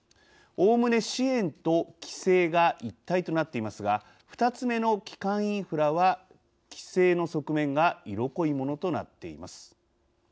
おおむね支援と規制が一体となっていますが２つ目の基幹インフラは規制の側面が色濃いものとなっています。